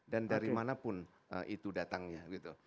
dan dari manapun itu datangnya